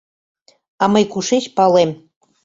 — А мый кушеч палем...